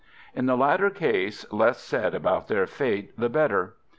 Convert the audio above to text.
In the latter case, the less said about their fate the better.